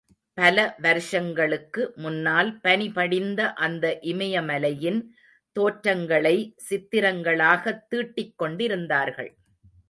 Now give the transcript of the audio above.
பல வருஷங்களுக்கு முன்னால் பனி படிந்த அந்த இமய மலையின் தோற்றங்களை சித்திரங்களாகத் தீட்டிக்கொண்டிருந்தார்கள்.